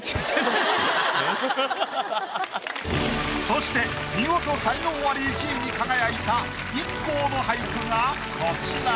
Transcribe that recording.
そして見事才能アリ１位に輝いたＩＫＫＯの俳句がこちら。